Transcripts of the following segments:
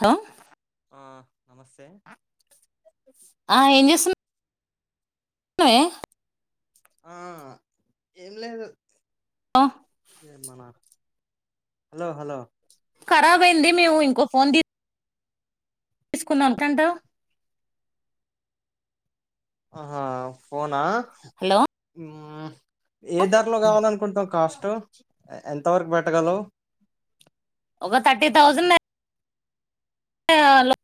Hello ఆ నమస్తే ఆ ఆ ఏం చేస్తూ నే ఆ ఏం లేదు. అ హలో హలో! కరబయింది మేము ఇం కో ఫోన్ ది తీసుకుందాం ఎంతంట ఆహా ఫోనా హలో మ్మ్. ఏ ధరలో కావాలనుకుంటు కాస్ట్ ఎ ఎంత ఎంతవరకు పెట్టగలవు. ఒక థర్టీ థౌజండ్ అ చేయాలో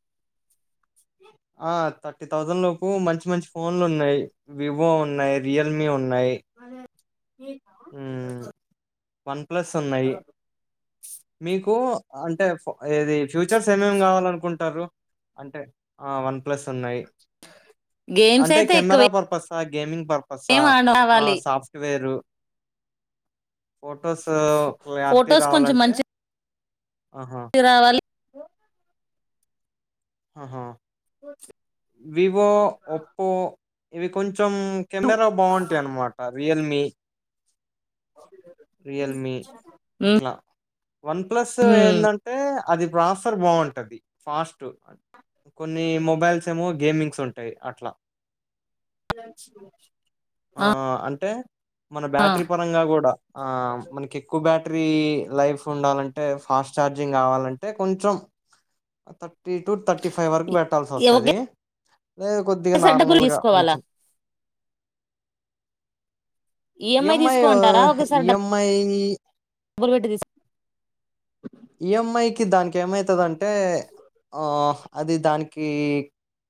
ఆ థర్టీ థౌజండ్ లోపు మంచి మంచి ఫోన్లు ఉన్నాయ్ వివో ఉన్నాయ్ రియల్మీ ఉన్. నై ఉమ్ వన్ ప్లస్ ఉన్నాయ్ మీకు? అంటే ఫోన్ ఏది ఫ్యూచర్స్ ఏమేమి కావాలనుకుంటారు? అంటే ఆ వన్ ప్లస్ ఉన్నాయి గేమ్స్ అంటే అయితే కెమెరా ఎక్కువే పర్పసా గేమింగ్ పర్పస్ ఆ ఆ సాఫ్టువేరు ఫొటోస్ క్లారిటీ ఫొటోస్ కొంచెం రావాలంటే మంచి ఆహా రావాలి ఆహా వివో ఒప్పో ఏవి కొంచ్ చం కెమెరా బాగుంటాయి అన్నమాట రియల్మీ రియల్మీ ఇట్లా వన్ ప్లస్ ఉమ్ ఎండిఅంటే అది ప్రాసర్ బాగుంటది. ఫస్టు అన్ కొన్ని మొబైల్స్ ఏమో గేమింగ్స్ ఉన్ టై అట్లా ఆ మన ఆ బ్యాటరీ పరంగా కూడా ఆ మనకి ఎక్కువ బ్యాట్ ట్రీ లైఫ్ ఉండాలంటే ఫాస్ట్ చఛార్జింగ్ కావాలంటే కొంచెం థర్టీ టూ థర్టీ ఫైవ్ వరకు పెట్టాల్సి వస్తాది. లేదు కొద్దిగా ఒకేసారి డబ్బులు నార్మల్గా తీసుకోవాలా మంచి ఈఎంఐ ఓ తీసుకోమంటారా ఒకేసారి ఈఎంఐ అ [unintelligible] ఈఎంఐకిి దానికి ఎమ్మైతన్ టే ఆ అది దానికి ఇ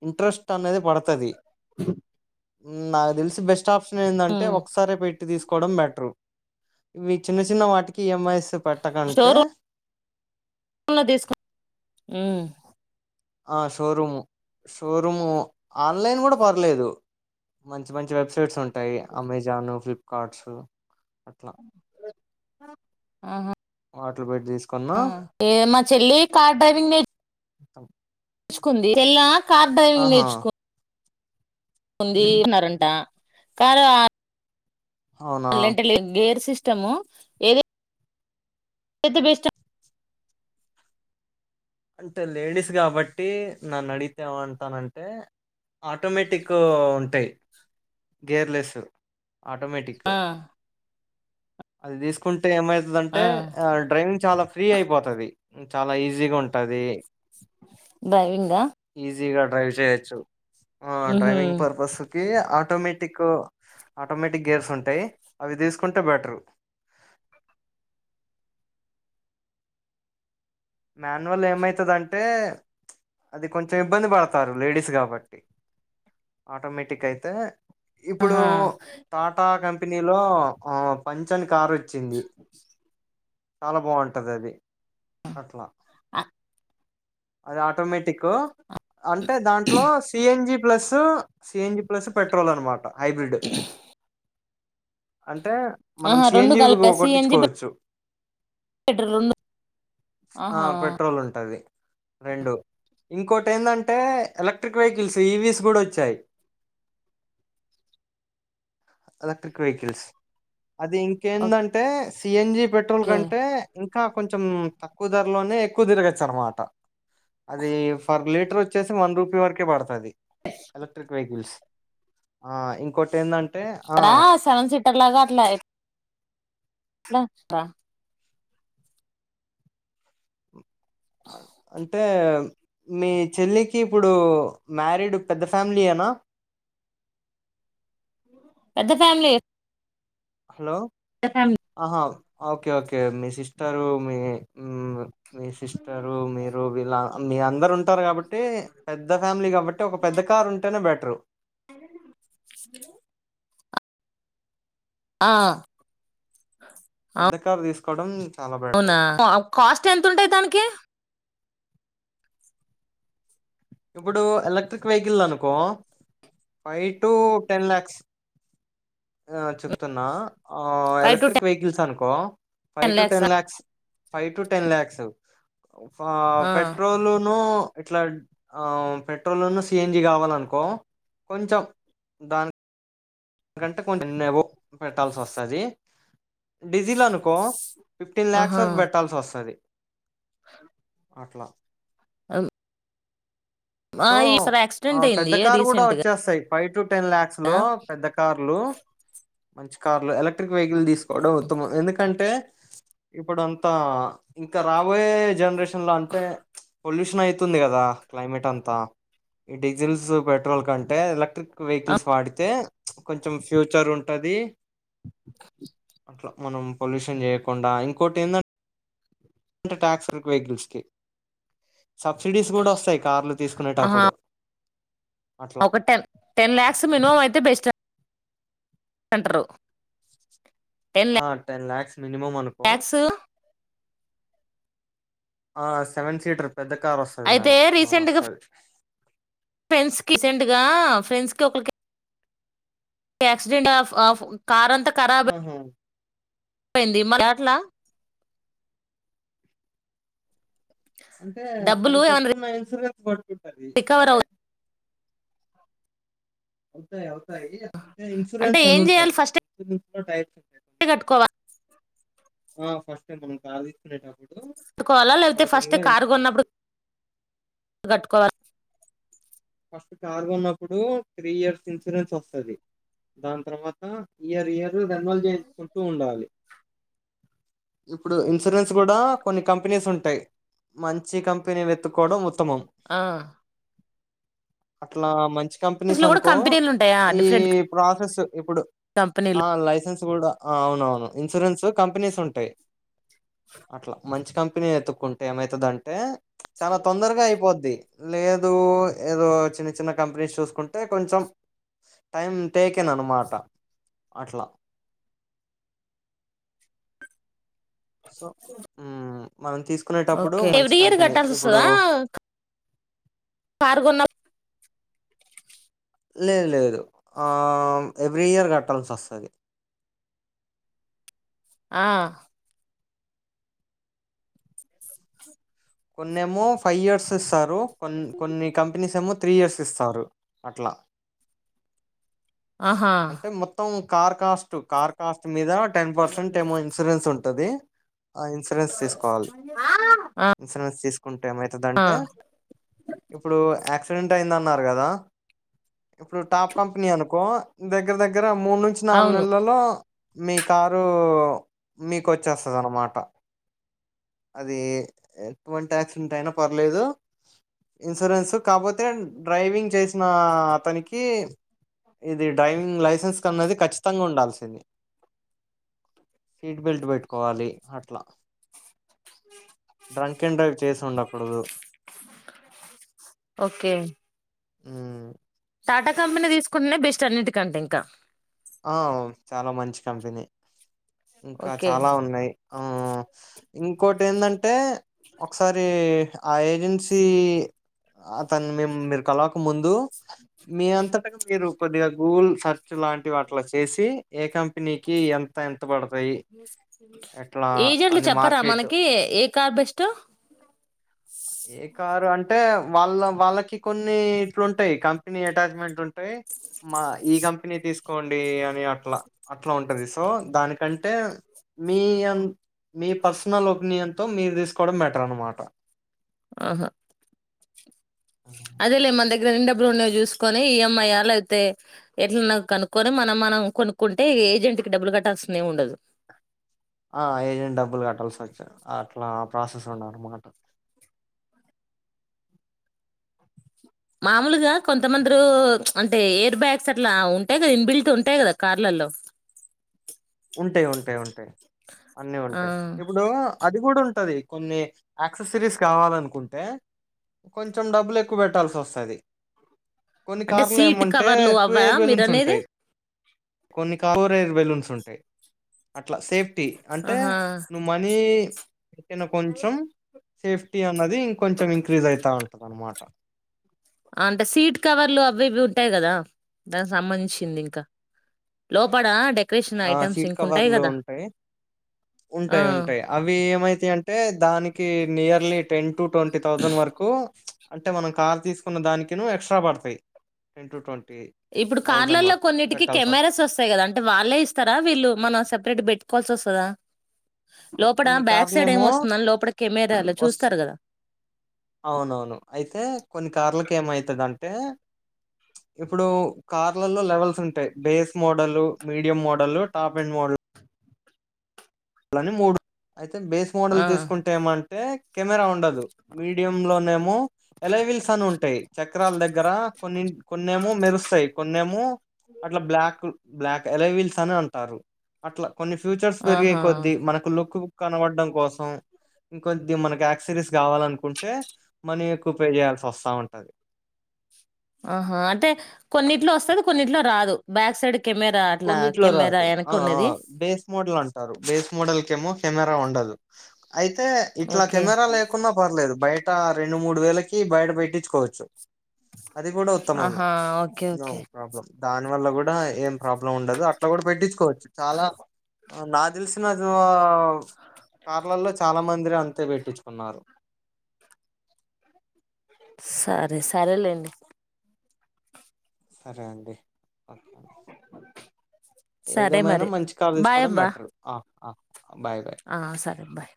ఇంట్రెస్ట్ అనేది పడ్ నాకు తెలిసి బెస్ట్ బెస్ట్ ఆప్షన్ ఏందాంటే. ఉమ్ ఒకసారే పెట్టి తీసుకోవడం. బెటరు ఇవి చిన్న చిన్న వాటికి ఇ ఎం ఐ స్ సు పెట్టకంటే లా తీస్ ఆ షోరూము షో రూము ఆన్లైన్ కూడా పర్లేదు మంచి మంచి వెబ్సైట్స్ ఉంటాయి అమెజాను ఫ్లిప్ కాట్స్ ఆహా వాటిలో పెట్టి తీసుకున్నా హా మా చెల్లి కార్ డ్రైవింగ్ నే తెచ్చుకుంది చేల్లా కార్ డ్రైవింగ్ ఆహా నేర్చుకో ఉంది. అన్నారంట కార్ ఆ అవునా లెంట లే గేర్ సిస్ స్టము ఏది అయితే బెస్ట్ అంటే లేడీస్ కాబట్టి నన్ను అడిగితే ఏమమంటానంటే ఆటోమేటిక్ ఉంటాయి. గేర్లెస్ ఆటోమేటిక్ ఆ అది తీసుకుం ఏమయితది. అంటే ఆ డ్రైవింగ్ చాలా ఫ్రీ అయిపోతది. చాలా ఈజీగా ఉంటది. డ్రైవింగా ఈసీగా డ్రైవ్ చేయచ్చు. ఆ ఉహు డ్రైవింగ్ పర్పస్ కి ఆటోమేటిక్ ఆటోమేటిక్ గేర్స్ ఉంటాయి. అవి తీసుకుంటే బెటరు మాన్యువల్ ఏమయితది అంటే అది కొంచెం ఇబ్బంది పడతారు. లేడీస్ కాబట్టి ఆటోమేటిక్ అయితే ఇప్పుడు ఆహా టాటా కం పెనీలో పంచన్ కార్ వ చ్చింది చాలా బాగుంటది. అది అట్లా ఆ అది ఆటోమేటిక్ అంటే దాంట్లో C N G plus CNG plus petrol అనమా మాట హైబ్రిడ్ అన్ అంటే మనం ఆహా రెండు సిఎన్జివి కలిపా సిఎన్జి కొట్టించుకోవచ్చు పెట్రోల్ రెండు ఆ ఆహా పెట్రోల్ ఉంటది రెండు ఇంకోటి ఏందంటే ఎలక్ట్రిక్ వెహికల్స్ ఈవిస్ కూడా వచ్చాయి ఎలక్ట్రిక్ వెహికల్స్ అది ఇంకేందంటే సిఎన్జి పెట్రోల్ ఓకే కంటే ఇంకా కొంచెం తక్కువ ధరలోనే ఎక్కువ తిరగచ్చ అనమాట అది ఫర్ లీటర్ వచ్చేసి వన్ రూపీ వరకే పడతది ఎలక్ట్రిక్ వెహికల్స్ ఆ ఇంకోటి ఏందంటే ఆ రా సెవెన్ సీటర్ లాగా ఎట్ల ఎట్ల ఎా అంటే మీ చెల్లికి ఇప్పుడు మ్యారీడ్ పెద్ద ఫ్యామిలీ ఏనా పెద్ద ఫ్యామిలీ హలో పెద్ద ఫ్యామిలీ ఆహా ఓకే ఓకే మీ సిస్టరు మీ మ్ మీ సిస్టరు మీరు ఇలా మీ అందరు ఉం ఉంటరు కాబట్టి పెద్ద ఫ్యామిలీ కాబట్టి ఒక పెద్ద కార్ ఉంటేనే బెట రూ హలో నమా హలో ఆ పెద్ద కారు తీసు కోడం అవునా కాస్ట్ ఎంత ఉంటాయి దానికి కీ ఇప్పుడు ఎలక్ట్రిక్ వెహికల్ అనుకో ఫైవ్ టు టెన్ ల్యాక్స్ ఆ చెప్తున్నా ఆ ఫైవ్ టు ఎలక్ట్రిక్ వెహికల్స్ అనుకో కో five to ten lakhs five to ten lakhs ఆ పెట్రోలు నూ ఇట్లా ఆ పెట్రోల్న్న సిఎన్జి కావాలనుకో కొంచెం దానికి గంట కొం పెట్టాల్సి వస్తుంది డీజిల్ అనుకో ఫిఫ్టీన్ లలాక్స్ ఆహా వరకు పెట్టాల్సి వస్తది అట్లా అల్ సో ఆ పెద్ద అయింది కారు కూడా రీసెంట్ గా వచ్చేస్తాయి ఫైవ్ టు టెన్ లా్యాక్స్ లో పెద్ద కార్లు మంచి కార్లు ఎలక్ట్రిక్ వెహికల్ తీసుకోవడం ఉత్తమం ఎందుకంటే ఇప్పుడు అంతా ఇంకా రాబోయే జనరేషన్ లో అంటే పొల్యూషన్ అయితుంది కదా క్లైమేట్ అంత ఈ డీజిల్స్ పెట్రోల్ కంటే ఎలక్ట్రిక్ వెహికల్స్ వాడితే కొంచెం ఫ్యూచర్ ఉం అదీ అ మనం పొల్యూషన్ చేయకుండా ఇంకోటి ఎందంటే ఇలా టాక్స్ కాల్ వెహికల్స్కు సబ్సిడీస్ కూడా వస్తాయ్ కార్లు ఆహా తీసుకునేటప్పుడు అట్లా ఒక టెన్ టెన్ లాక్స్ మినిమం అయితే బెస్ట్ అండి టారు ఆ టెన్ లాక్స్ మినిమం అనుకో ల్యాక్స్ అ సెవెన్ సీటర్ పెద్ద కార్ వస్తాది అయితే మేడం ఆ వస్తాది ఫ్రెండ్స్ కి సెంట్ గా ఫ్రెండ్స్ కి ఒకలకి ఆక్సిడెంట్ ఆఫ్ ఆఫ్ కార్ అంతా మ్మ్ పోయింది మా ఏట్లా అంటే డబ్బులు అది ఏమన్నా కట్టుకున్న ఇన్స్యూరెన్స్ పొట్ పది రికవర్ అవు మాకేం తాయి అవుతాయ్ ఇంత అంటే ఇన్సూరెన్స్ అని ఏం చేయాలి ఉంటది ఫస్టే అందులో టైప్స్ ఉంటాయి కట్టుకోవా ఆ ఫస్ట్ టైమ్ మనం కారు తీసుకునేటప్పుడు కట్టుకోవాలా లేకపోతే స్టార్టింగ్ ఫస్ట్ ఏ లో కార్ ఇన్సూరెన్స్ కొన్నప్పుడు కట్టుకోవాల్ ఫస్ట్ కార్ కొన్నప్పుడు త్రీ ఇయర్స్ ఇన్సూరెన్స్ వస్తది దాని తర్వాత ఇయర్ ఇయర్ కి రెన్యువల్ చేయిచుకుంటూ ఉండాలి ఇప్పుడు ఇన్సూరెన్స్ కూడా కొన్ని కంపెనీస్ ఉంటాయి మంచి కంపెనీ వేత్తుకోవడం ఉత్తమం అ అట్లా మంచీ కంపెనీస్ కూడా అనుకో కంపెనీలు ఉంటాయా? ఈ డిఫరెంట్ ప్రాసెస్ ఇప్పుడు కంపెనీలు. ఆ లైసెన్స్ గుడా అవును అవును ఇన్సూరెన్స్ కంపెనిస్ ఉంటాయి. అట్లా మంచి కంపెని కంపెనీ ఎతుకుంటే ఏమైతుందంటే చాలా తొందరగా అయిపోద్ది ది లేదు ఏదో చిన్న చిన్న కంపెనీస్ చూసుకుంటే కొంచెం టైం టేకేన్ అన్నమాట అట్లా సో హూ మనం తీసుకునేటప్పుడు ఓకే. మంచి ఎవ్రీ ఇయర్ కంపెనీ ఇప్పుడు కట్టాల్సొస్తదా? కారు కొన్న లే లేదు ఆ ఎవ్రీ ఇయర్ కట్టాల్సి వస్తాది ఆ కొన్నేమో ఫైవ్ ఇయర్స్ ఇస్తారు. కొ కొన్ని కంపెనీస్ ఏమో త్రీ ఇయర్స్ ఇస్తారు అట్లా ఆహా! అంటే మొత్తం. కార్ కాస్ట్, కార్ కాస్ట్ మీద టెన్ పర్సెంట్ ఏమో ఇన్సూరెన్స్ ఉంటు ఉంటది, ఆ ఇన్సూరెన్స్ తీసుకోవాలి హ ఆ అ ఇన్సూరెన్స్ తీసుకు టే ఏమయితదంటే ఇప్పుడు యాక్సి డెంట్ అయిందన్నారు కదా ఇప్పుడు టాప్ కంపెనీ అనుకో దగ్గర దగ్గర మూడు నుంచి నాలుగు అవును. నెలల్లో మీ కారు మీకు వచ్చేస్తది అన్నమాట అది ఎటువంటి యాక్సిడెంట్ అయినా పర్లేదు, ఇన్సూరెన్స్ కాపోతే డ్రైవింగ్ చేసిన అతనికి ఇది డ్రైవింగ్ లైసె న్స్ అనేది ఖచ్చితంగా ఉండాల్సి సీట్ బెల్ట్ పెట్టుకోవాలి అట్లా డ్రంక్ అండ్ డ్రైవ్ చేసి ఉండకూడదు, ఓకే. హూ టాటా కంపెనీ తీసుకుంటేనే బెస్ట్ అన్నిటికంటే ఇంకా ఆ చాలా మంచి కంపెనీ. ఇంకా ఓకే. చాలా ఉన్నాయి. ఆ ఇంకోటి ఏందంటే ఒకసారి ఆ ఏజెన్సీ అతన్ని మేమ్ మీరు కలవక ముందు మీ అంతటగా మీరు కొద్దిగా గూగుల్ సర్చ్ లాం టివి అట్ల చేసి ఏ కంపెనీకి ఎంత ఎం ఏజెంట్లు అన్ని చెప్పరా మార్కెట్ మనకి ఏ కార్ బెస్టో. ఏ కారు అంటే వాళ్ళ వాళ్ళకి కొన్ని ఇట్లుంటయి కంపెనీ అటాచ్మెంట్ ఉంటయి. మా ఈ కంపెనీ తీసుకోండి అని అట్లా అట్లా ఉంటది, సో దానికంటే మీ అం మీ పర్సనల్ ఒపీనియన్ తో మీరు తీసు కొవడం బెటర్ అనమాట. ఆహా అదే లే మన దగ్గర ఎన్ని డబ్బులు ఉన్నాయో చూసుకొని ఈఎంఐ అ లేకపోతే ఎట్లానో కొనుక్కొని, మనం మనం కొనుక్కుంటే ఏజెంట్ కి డబ్బులు కట్టాల్సింది ఎం ఉండదు. ఆ ఏజెంట్ డబ్బులు కట్టాల్సి వచ్చా అట్లా ప్రాసెస్ ఉండారమాట. మామూలుగా కొంతమందరు చ్ అంటే ఎయిర్ బ్యాగ్స్ అట్లా ఉంటయి కదా ఇన్బిల్ట్ ఉంటయి కదా కార్లలో. ఉంటయి, ఉంటయి, ఉంటయి. అన్ని ఆ ఉంటయి ఇప్పుడు అ అది కూడా ఉంటది కొన్ని యాక్సెస్ రీస్ కావాలనుకుంటే కొంచెం డబ్బులు ఎక్కువ పెట్టాల్సి వస్తది. అంటే సీట్ కవర్లు అవ్వా ఎయిర్ మీరు బెలూన్స్ అనేది. ఉంటాయి. కొన్ని కార్ లోనే ఎయిర్ బెలూన్స్ ఉంటయి. అట్లా సే స్టీ అంటే ఆహా నువ్వు మనీ ఎనా కొంచెం సేఫ్ ఫ్టీ అన్నది ఇంకొంచెం ఇంక్రీజ్ అయితా ఉంటది అనమాట. అంటే సీట్ కవర్లు అవి ఇవి ఉంటయి కదా, దానికి సంబంధించింది ఇంకా లోపడ డె ఆ సీట్ కవర్లు ఉంటయి ఆ ఉంటయి, ఉంటయి అవి ఏమైతా అంటే అంటే దాని కి nearly ten to twenty thousand వరకు అంటే మనం కారు తీసుకున్న దానికినూ ఎక్స్ట్రా పడతయి టెన్ టు ట్వంటీ ఇప్పుడు థౌజండ్ కార్లల్లో వరకు కొన్నింటికి పెట్టాల్సి వస్తుంది కెమెరాస్ వస్తయి కదా అంటే వాళ్ళే ఇ స్తరా వీళ్ళు మనం సపరేట్ పెట్టుకోవాల్సి వస్తదా. లోపట కొన్ని బ్యాక్ సైడ్ ఏం కార్లేమో వస్తుందని లోపల కెమెరాలో వస్తు చూస్తారు కదా అవునవును అయితే కొన్ని కార్లలకు ఏమయితదం టే ఇప్పుడు కార్ ల లో లెవెల్స్ ఉంటయి base model, medium model, top end model. లని మూడు అయితే బేస్ మోడల్ ఆ తీసుకుంటే ఏమంటే కెమెరా ఉండదు మీడియయం లోనే కొన్నేమో మెరుస్తాయి కొన్నేమో అట్ బ్లాక్ ఎలవిల్స్ అని అంటారు అట్లా కొన్ని ఫ్యూచర్స్ పెరిగే ఆహా కొద్ది మనకు లుక్ కనబడడం కోసం ఇంకొద్ది మనకి యాక్ససరీస్ కావాలనుకుంటే మనీ ఎక్కువ పే చేయాల్సి వస్తాఉంటాది. ఆహా అంటే కొన్నిట్లో వస్తుంది కొన్నిట్లో రాదు బ్యాక్ సైడ్. కెమెరా అట్లా కొన్నిట్లో కెమెరా రాదు వెనక ఆ ఆ ఉన్నది బేస్ మోడల్ అంటారు బేస్ మోడల్ కేమో కెమెరా ఉండదు. అయితే ఇట్లా ఓకే కెమెరా లేకుంన్నా పర్లేదు బయట. ఆ రెండు మూడు వేలకి బయట పెట్టించుకోవచ్చు. అది కూడా ఉత్తమమే ఆహా ఓకే నో ఓకే ప్రాబ్లం దాని వల్ల కూడా ఏం. ప్రాబ్లం ఉండదు అట్లా కూడా పెట్టించుకోవచ్చు చాలా. నాకు తెలిసిన కార్లలో చాలా మందిర అంతే పెట్టించుకున్నారు. సరే సరేలేండి. సరే అండి ఓకే. సరే ఏదేమైనా మరి మంచి కారు బాయ్ తీసుకోవడం అబ్బా బెటరు ఆ. ఆ. ఆ సరే ఆ బాయ్.